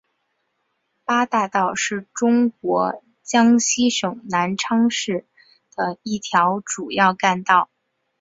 八一大道是中国江西省南昌市的一条主要干道。